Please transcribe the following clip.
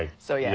そう。